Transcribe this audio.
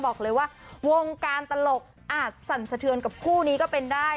บอกเลยว่าวงการตลกอาจสั่นสะเทือนกับคู่นี้ก็เป็นได้